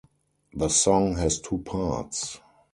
The song has two parts.